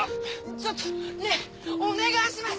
ちょっとねお願いします！